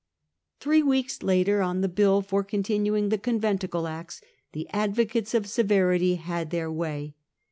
Three weeks later, on the bill for continuing the Con venticle Acts, the advocates of severity had their way.